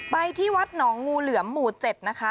ไปที่วัดหนองงูเหลือมหมู่๗นะคะ